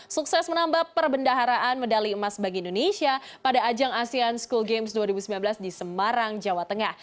sukses menambah perbendaharaan medali emas bagi indonesia pada ajang asean school games dua ribu sembilan belas di semarang jawa tengah